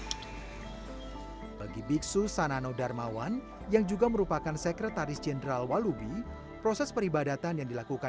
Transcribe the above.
sebagian besar vihara vihara khusus yang berada di bawah naungan perwakilan umat buddha indonesia atau walubi